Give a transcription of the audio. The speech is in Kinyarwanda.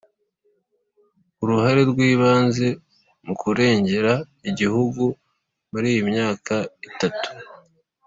uruhare rw'ibanze mu kurengera igihugu muri iyi myaka itatu